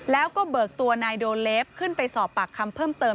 แล้วก็เบิกตัวนายโดเลฟขึ้นไปสอบปากคำเพิ่มเติม